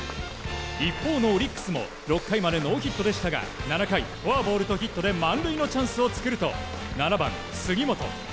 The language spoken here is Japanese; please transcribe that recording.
一方のオリックスも６回までノーヒットでしたが７回、フォアボールとヒットで満塁のチャンスを作ると７番、杉本。